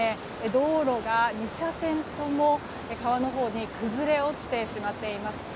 道路が２車線とも川のほうに崩れ落ちてしまっています。